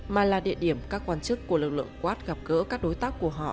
mà là địa điểm các quan chức của lực lượng quát gặp gỡ các đối tác của họ